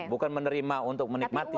bukan menerima untuk menikmati